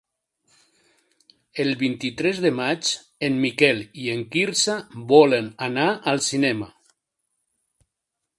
El vint-i-tres de maig en Miquel i en Quirze volen anar al cinema.